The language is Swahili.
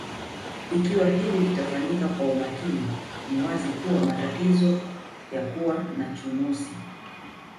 Ikiwa hili litafanyika kwa umakini ni wazi kuwa matatizo ya kuwa na chunusi